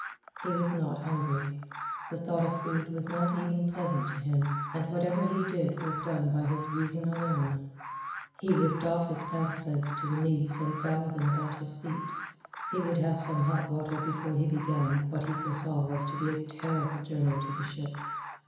He was not hungry. The thought of food was not even pleasant to him, and whatever he did was done by his reason alone. He ripped off his pants' legs to the knees and bound them about his feet. Somehow he had succeeded in retaining the tin bucket. He would have some hot water before he began what he foresaw was to be a terrible journey to the ship.